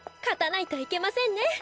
勝たないといけませんね。